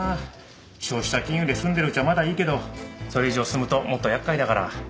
消費者金融で済んでるうちはまだいいけどそれ以上進むともっと厄介だから。